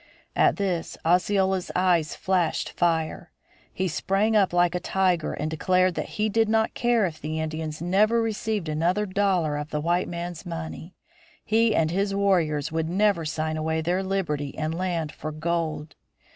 At this Osceola's eyes flashed fire; he sprang up like a tiger and declared that he did not care if the Indians never received another dollar of the white man's money; he and his warriors would never sign away their liberty and land for gold.